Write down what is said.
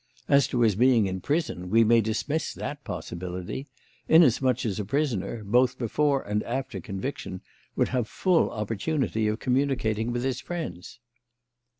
As to his being in prison, we may dismiss that possibility, inasmuch as a prisoner, both before and after conviction, would have full opportunity of communicating with his friends.